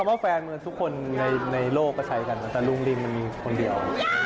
ว่าแฟนเมืองทุกคนในโลกก็ใช้กันแต่ลุงลินมันมีคนเดียว